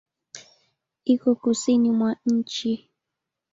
Iko kusini mwa nchi.